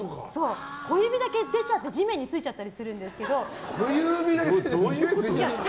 小指だけ出ちゃって地面についちゃったり小指だけ？